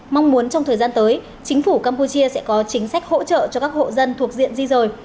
mong muốn trong thời gian tới chính phủ campuchia sẽ có chính sách hỗ trợ cho các hộ dân thuộc diện di rời